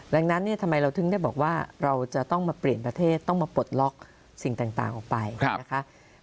ดังนั้นเนี่ยทำไมเราถึงได้บอกว่าเราจะต้องมาเปลี่ยนประเทศต้องมาปลดล็อกสิ่งต่างออกไปนะคะ